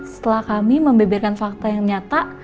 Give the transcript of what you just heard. setelah kami membeberkan fakta yang nyata